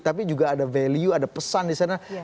tapi juga ada value ada pesan disana